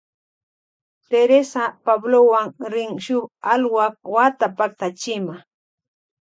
Teresa Pablowan rin shuk alwak wata paktachima.